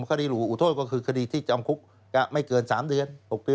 คดีระหูโทษก็คือคดีที่จำคุกไม่เกิน๖๑๐เดือน